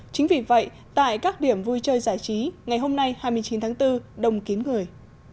chính vì vậy tại các điểm vui chơi giải trí ngày hôm nay hai mươi chín tháng bốn đông kín người